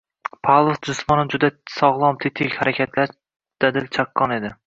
Pavlov jismonan juda sog‘lom-tetik, harakatlari dadil chaqqon edi